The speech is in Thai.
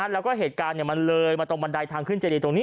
แล้วก็เหตุการณ์มันเลยมาตรงบันไดทางขึ้นเจดีตรงนี้